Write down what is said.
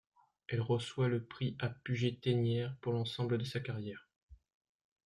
Elle recoit le prix à Puget-Théniers pour l'ensemble de sa carrière.